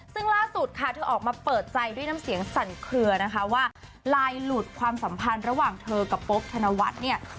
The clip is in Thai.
ซึ่งล่าสุดค่ะเธอออกมาเปิดใจด้วยน้ำเสียงสั่นเคลือนะคะว่าลายหลุดความสัมพันธ์ระหว่างเธอกับโป๊บธนวัฒน์เนี่ย